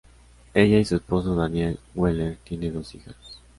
Ella y su esposo Daniel Wheeler tienen dos hijas.